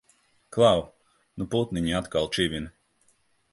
Klau! Nu putniņi atkal čivina!